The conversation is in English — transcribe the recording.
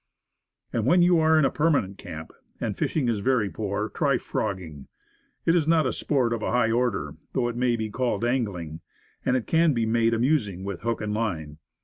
And, when you are in a permanent camp, and fish ing is very poor, try frogging. It is not sport of a high order, though it may be called angling and it can be made amusing, with hook and line.